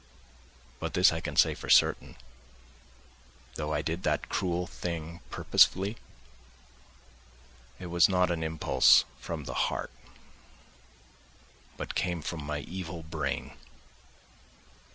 But this I can say for certain: though I did that cruel thing purposely, it was not an impulse from the heart, but came from my evil brain.